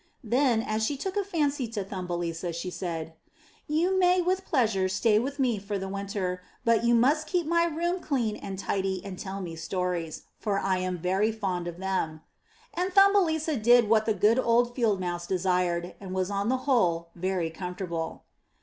'* Then, as she took a fancy to Thumbelisa, she said, ''You may with pleasure stay with me for the winter, but you must keep my room clean and tidy and tell me stories, for I am very fond of them,'* and Thumbelisa did what the good old Field Mouse desired and was on the whole very comfortable.